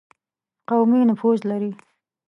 قومي نفوذ لري.